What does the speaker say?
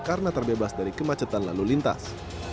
karena terbebas dari kemacetan lalu lintas